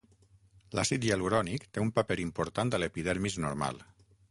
L'àcid hialurònic té un paper important a l'epidermis normal.